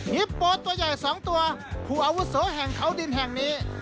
มีโป๊ตตัวใหญ่สองตัวผู้อาวุศวแห่งเขาดินแห่งนี้